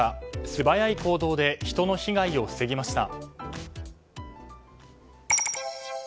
素早い行動で人の被害を防ぎました。